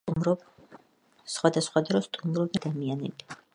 სხვადასხვა დროს სტუმრობდნენ მონარქები, ცნობილი ადამიანები.